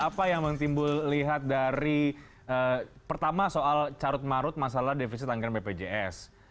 apa yang bang timbul lihat dari pertama soal carut marut masalah defisit anggaran bpjs